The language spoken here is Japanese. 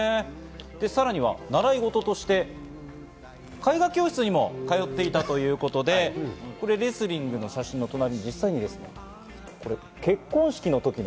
さらには習い事として絵画教室にも通っていたということでレスリングの写真の隣に実際に結婚式の時の。